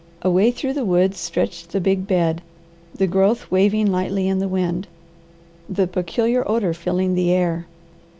Away through the woods stretched the big bed, the growth waving lightly in the wind, the peculiar odour filling the air.